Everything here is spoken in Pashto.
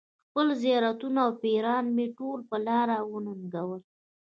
خپل زیارتونه او پیران مې ټول په لاره وننګول.